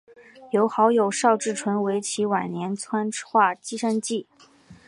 由好友邵志纯为其晚年摹划生计。